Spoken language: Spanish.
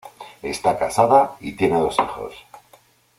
Está casada y tiene dos hijos.